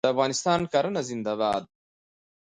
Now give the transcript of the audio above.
د افغانستان کرنه زنده باد.